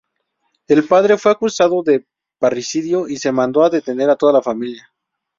El padre fue acusado de parricidio y se mandó detener a toda la familia.